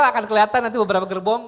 akan kelihatan nanti beberapa gerbong